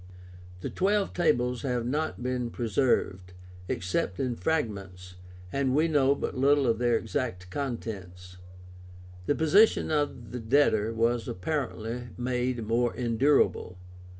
The TWELVE TABLES have not been preserved, except in fragments, and we know but little of their exact contents. The position of the debtor was apparently made more endurable.